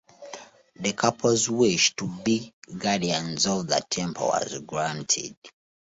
The couple's wish to be guardians of the temple was granted.